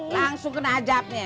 langsung kena ajabnya